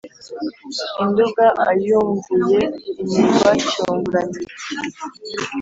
induga ayunguye imirwa cyungura-mirwa.